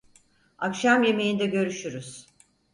Akşam yemeğinde görüşürüz.